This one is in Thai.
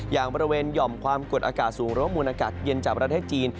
อย่างบริเวณหย่อมความกดอากาศสูงหรือว่ามูลอากาศเย็นจากประเทศจีน